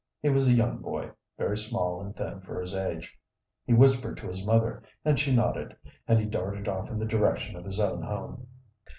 He was a young boy, very small and thin for his age. He whispered to his mother and she nodded, and he darted off in the direction of his own home.